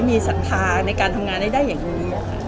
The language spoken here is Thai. มีศรัทธาในการทำงานให้ได้อย่างดี